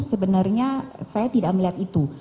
sebenarnya saya tidak melihat itu